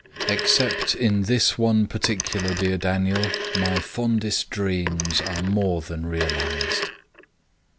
Except in this one particular, dear Daniel, my fondest dreams are more than realized.